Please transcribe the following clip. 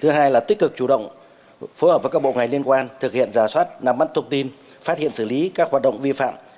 thứ hai là tích cực chủ động phối hợp với các bộ ngành liên quan thực hiện giả soát nắm bắt thông tin phát hiện xử lý các hoạt động vi phạm